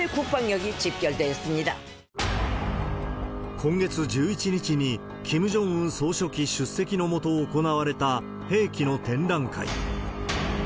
今月１１日に、キム・ジョンウン総書記出席の下、行われた兵器の展覧会。